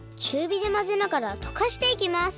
びでまぜながらとかしていきます